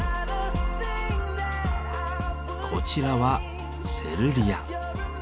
こちらは「セルリア」。